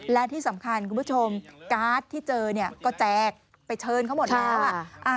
และที่สำคัญคุณผู้ชมการ์ดที่เจอเนี่ยก็แจกไปเชิญเขาหมดแล้ว